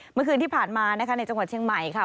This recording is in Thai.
เมื่อคืนที่ผ่านมานะคะในจังหวัดเชียงใหม่ค่ะ